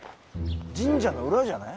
神社の裏じゃない？